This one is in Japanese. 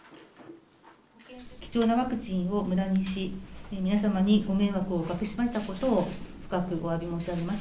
貴重なワクチンをむだにし、皆様にご迷惑をおかけしましたことを、深くおわび申し上げます。